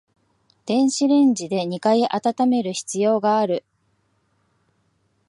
電子レンジで二回温める必要がある